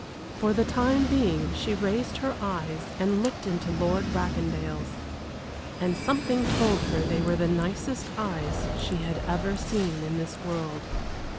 For the time being she raised her eyes and looked into Lord Bracondale's, and something told her they were the nicest eyes she had ever seen in this world.